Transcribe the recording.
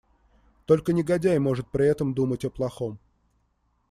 Только негодяй может при этом думать о плохом.